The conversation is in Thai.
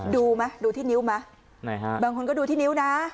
ดูไหมดูที่นิ้วไหมไหนฮะบางคนก็ดูที่นิ้วนะ